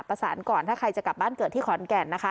ก่อนถ้าใครจะกลับบ้านเกิดที่ขอนแก่นนะคะ